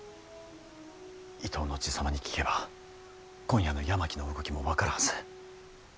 伊東の爺様に聞けば今夜の山木の動きも分かるはず。